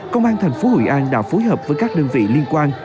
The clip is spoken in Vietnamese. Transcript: công an thành phố hội an đã phối hợp với các đơn vị liên quan